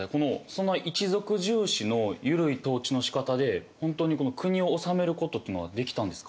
そんな一族重視のゆるい統治のしかたで本当に国を治めることっていうのはできたんですか？